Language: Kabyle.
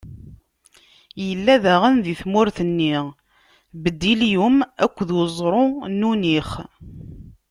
Illa daɣen di tmurt-nni, bdilyum akked uẓru n Unix.